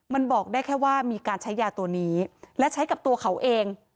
มันบอกได้แค่ว่ามีการใช้ยาตัวนี้และใช้กับตัวเขาเอง